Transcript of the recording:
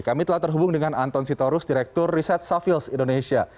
kami telah terhubung dengan anton sitorus direktur riset savils indonesia